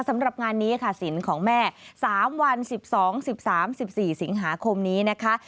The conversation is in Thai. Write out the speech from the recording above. สำหรับงานนี้ค่ะสินของแม่๓วัน๑๒๑๓๑๔สิงหาคมนี้นะคะ